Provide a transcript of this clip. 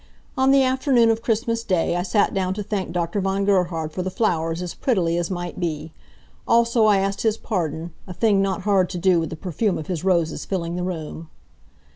On the afternoon of Christmas day I sat down to thank Dr. von Gerhard for the flowers as prettily as might be. Also I asked his pardon, a thing not hard to do with the perfume of his roses filling the room.